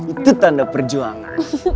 itu tanda perjuangan